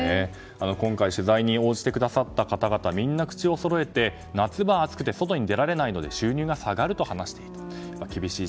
今回取材に応じてくださった方々みんな口をそろえて夏場、暑くて外へ出られないので収入が下がると話していました。